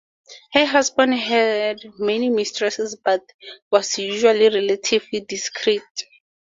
Her husband had many mistresses, but was usually relatively discreet.